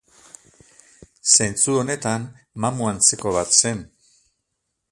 Zentzu honetan, mamu antzeko bat zen.